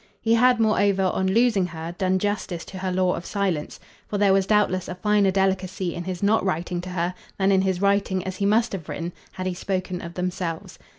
He had moreover, on losing her, done justice to her law of silence; for there was doubtless a finer delicacy in his not writing to her than in his writing as he must have written had he spoken of themselves.